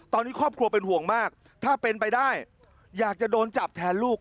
ตอนนี้ครอบครัวเป็นห่วงมากถ้าเป็นไปได้อยากจะโดนจับแทนลูก